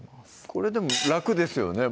これでも楽ですよね